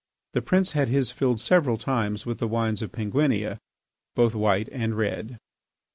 The prince had his filled several times with the wines of Penguinia, both white and red.